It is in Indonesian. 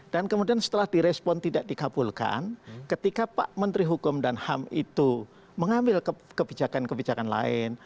dan kemudian setelah direspon tidak dikabulkan ketika pak menteri hukum dan ham itu mengambil kebijakan kebijakan lain